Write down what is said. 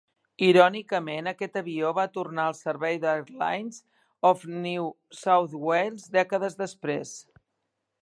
Irònicament, aquest avió va tornar al servei d'Airlines of New South Wales dècades després.